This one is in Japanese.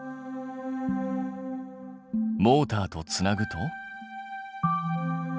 モーターとつなぐと？